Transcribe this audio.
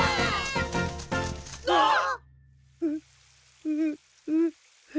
あっ！